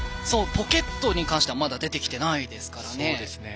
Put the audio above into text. ポケットに関してはまだ出てきてないですからね。